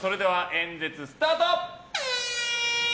演説スタート！